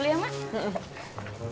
gak ada yang bisa bantuin